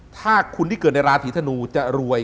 ถ้าคนที่เกิดในราศีธนูจะรวย